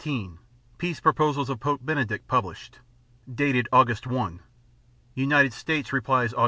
15 Peace proposals of Pope Benedict published (dated Aug. 1). _United States replies Aug.